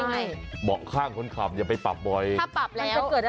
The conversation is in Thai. ไม่ต้องปรับขับรถไปนะ